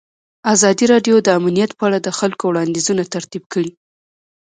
ازادي راډیو د امنیت په اړه د خلکو وړاندیزونه ترتیب کړي.